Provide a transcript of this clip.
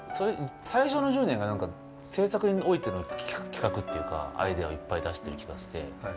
最初の１０年が、なんか製作においての企画っていうかアイデアをいっぱい出してる気がして。